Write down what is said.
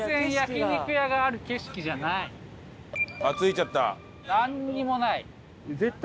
あっ着いちゃった。